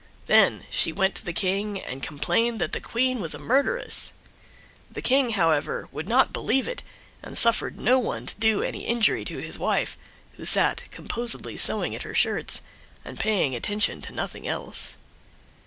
Then she went to the King and complained that the Queen was a murderess. The King, however, would not believe it, and suffered no one to do any injury to his wife, who sat composedly sewing at her shirts and paying attention to nothing else.